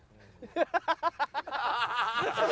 ハハハハ！